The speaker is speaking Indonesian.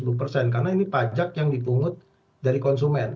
karena ini pajak yang dipungut dari konsumen